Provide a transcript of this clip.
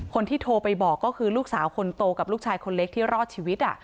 คนที่โทรไปบอกก็คือลูกสาวคนโตกับลูกชายคนเล็กที่รอดชีวิต